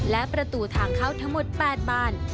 และประตูทางเข้าทั้งหมด๘บ้าน